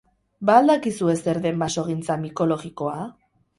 Ba al dakizue zer den basogintza mikologikoa?